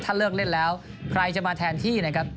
ถ้าเลิกเล่นแล้วใครจะมาแทนที่นะครับ